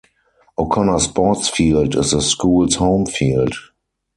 O'Connor Sports Field is the school's home field.